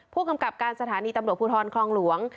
ผู้กำกับการสถานีตำรวจภูทรคลองหลวง